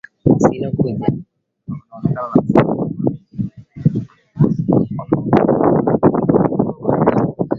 Umeshamiri mnamo mwezi wa tatu mwaka wa elfu moja mia tisa sabini na tatu